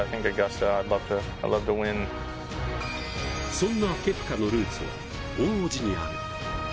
そんなケプカのルーツは大叔父にある。